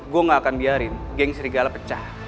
gue gak akan biarin geng serigala pecah